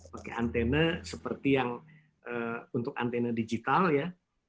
pakai antena seperti yang untuk antena digital ya